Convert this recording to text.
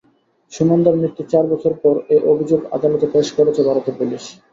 সুনন্দার মৃত্যুর চার বছর পর এ অভিযোগ আদালতে পেশ করেছে ভারতের পুলিশ।